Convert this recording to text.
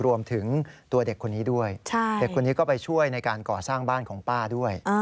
รวมถึงตัวเด็กคนนี้ด้วยเด็กคนนี้ก็ไปช่วยในการก่อสร้างบ้านของป้าด้วย